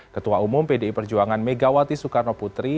ketua umum pdi perjuangan megawati soekarnoputri